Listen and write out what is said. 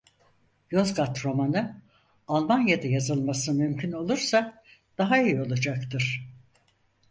Yozgat romanı, Almanya'da yazılması mümkün olursa daha iyi olacaktır.